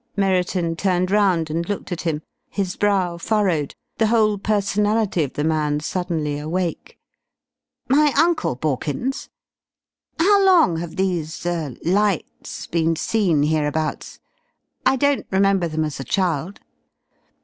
Merriton turned round and looked at him, his brow furrowed, the whole personality of the man suddenly awake. "My uncle, Borkins? How long have these er lights been seen hereabouts? I don't remember them as a child."